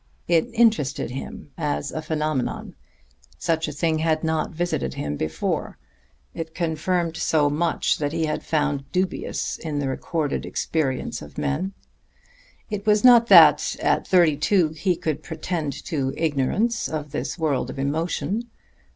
It interested him as a phenomenon; it amazed and enlightened him. Such a thing had not visited him before; it confirmed so much that he had found dubious in the recorded experience of men. It was not that, at thirty two, he could pretend to ignorance of this world of emotion.